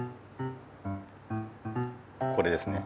これですね。